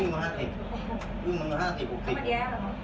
ผมยื่นมา๕๐ยุ่งมา๕๐๖๐